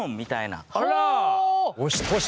あら！